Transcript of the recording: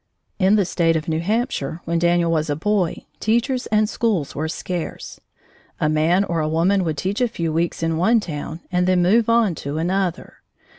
In the state of New Hampshire, when Daniel was a boy, teachers and schools were scarce. A man or a woman would teach a few weeks in one town and then move on to another.